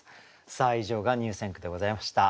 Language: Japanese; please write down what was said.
さあ以上が入選句でございました。